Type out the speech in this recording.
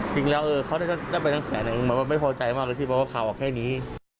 จริงแล้วเค้าเลยก็เล่นทั้งแสนแล้วมันไม่พอใจมากเพราะว่าข่าวออกแค่นี้